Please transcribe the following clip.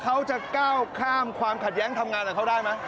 เขาจะก้าวข้ามความขัดแย้งทำงานกับเขาได้ไหม